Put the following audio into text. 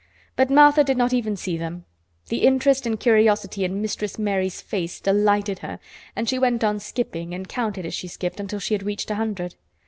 But Martha did not even see them. The interest and curiosity in Mistress Mary's face delighted her, and she went on skipping and counted as she skipped until she had reached a hundred.